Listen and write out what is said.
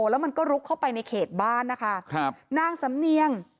แล้วมันก็ลุกเข้าไปในเขตบ้านนะคะครับนางสำเนียง